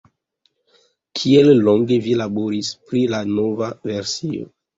Kiel longe vi laboris pri la nova versio?